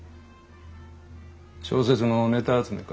小説のネタ集めか？